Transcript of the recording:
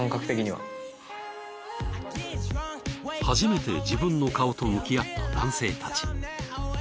初めて自分の顔と向き合った男性たち。